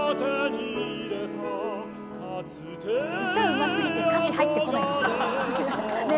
歌うますぎて歌詞入ってこないです。ね？